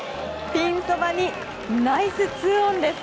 ピンそばにナイス２オンです。